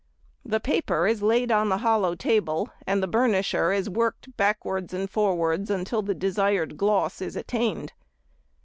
The paper is laid on the hollow table, and the burnisher is worked backwards and forwards until the desired gloss is attained.